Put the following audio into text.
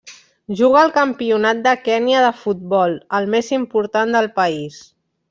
Juga al Campionat de Kenya de Futbol, el més important del país.